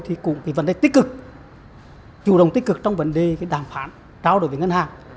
thì cũng cái vấn đề tích cực chủ động tích cực trong vấn đề cái đàm phán trao đổi với ngân hàng